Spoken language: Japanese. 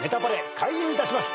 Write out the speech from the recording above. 開演いたします。